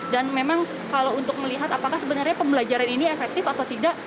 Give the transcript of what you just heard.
dan memang kalau untuk melihat apakah sebenarnya pembelajaran ini efektif atau tidak